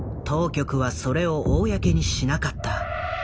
当局はそれを公にしなかった。